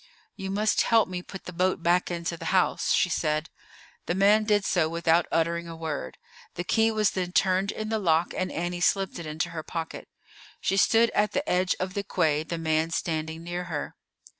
"You must help me put the boat back into the house," she said. The man did so without uttering a word. The key was then turned in the lock, and Annie slipped it into her pocket. She stood at the edge of the quay, the man standing near her.